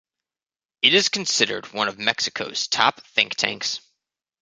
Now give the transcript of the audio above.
It is considered one of Mexico's top think tanks.